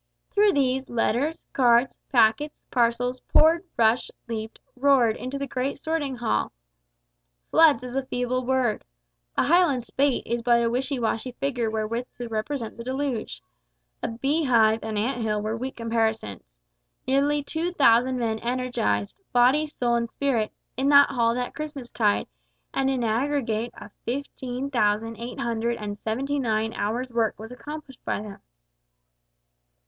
Through these, letters, cards, packets, parcels, poured, rushed, leaped, roared into the great sorting hall. Floods is a feeble word; a Highland spate is but a wishy washy figure wherewith to represent the deluge. A bee hive, an ant hill, were weak comparisons. Nearly two thousand men energised body, soul, and spirit in that hall that Christmas tide, and an aggregate of fifteen thousand eight hundred and seventy nine hours' work was accomplished by them.